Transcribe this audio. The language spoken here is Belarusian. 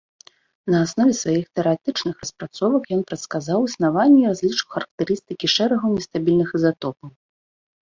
На аснове сваіх тэарэтычных распрацовак ён прадказаў існаванне і разлічыў характарыстыкі шэрагу нестабільных ізатопаў.